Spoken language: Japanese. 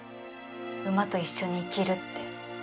馬と一緒に生きるって。